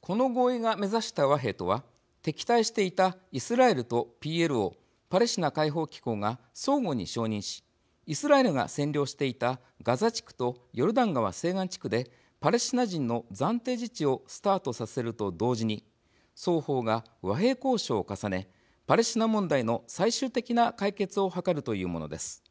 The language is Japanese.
この合意が目指した和平とは敵対していたイスラエルとＰＬＯ＝パレスチナ解放機構が相互に承認しイスラエルが占領していたガザ地区とヨルダン川西岸地区でパレスチナ人の暫定自治をスタートさせると同時に双方が和平交渉を重ねパレスチナ問題の最終的な解決を図るというものです。